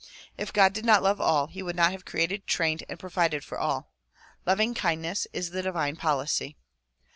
If God did not love all he would not have created, trained and provided for all. Loving kindness is the divine policy.